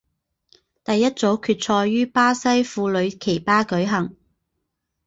第一组决赛于巴西库里奇巴举行。